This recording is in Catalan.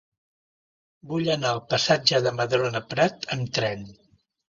Vull anar al passatge de Madrona Prat amb tren.